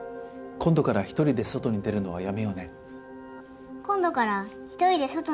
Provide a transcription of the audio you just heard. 今度から一人で外に出るのはやめようね。